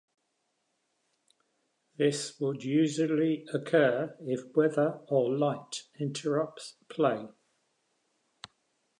This would usually occur if weather or light interrupts play.